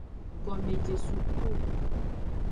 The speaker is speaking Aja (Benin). Gomejesuku.